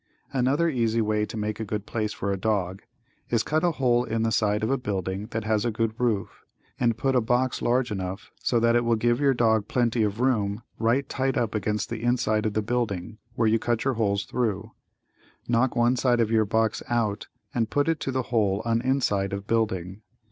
Another easy way to make a good place for a dog is cut a hole in the side of a building that has a good roof, and put a box large enough so that it will give your dog plenty of room right tight up against the inside of the building where you cut the holes thru. Knock one side of your box out and put it to the hole on inside of building.